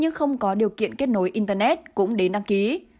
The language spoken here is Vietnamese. nhưng không có điều kiện kết nối internet cũng đến đăng ký